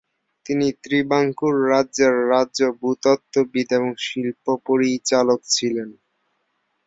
তিনি ত্রিবাঙ্কুর রাজ্যের রাজ্য ভূতত্ত্ববিদ এবং শিল্প পরিচালক ছিলেন।